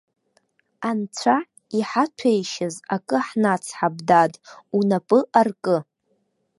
Анцәа иҳаҭәеишьаз акы хнацҳап, дад, унапы аркы.